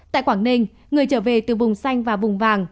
tại quảng ninh người trở về từ vùng xanh và vùng vàng